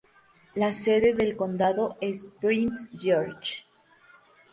La sede del condado es Prince George.